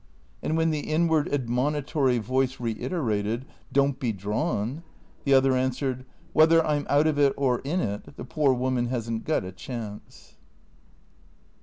And when the inward admonitory voice reiterated, " Don't be drawn," the other answered, " Whether I 'm out of it or in it the poor woman has n't got a chance."